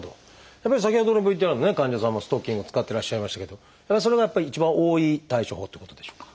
やっぱり先ほどのＶＴＲの患者さんもストッキングを使ってらっしゃいましたけどそれがやっぱり一番多い対処法っていうことでしょうか？